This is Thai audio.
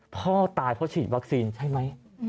พ่อตายเพราะฉีดวัคซีนใช่ไหม